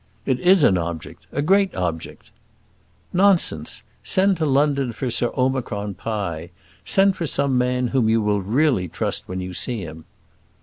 "It is an object; a great object." "Nonsense! Send to London for Sir Omicron Pie: send for some man whom you will really trust when you see him.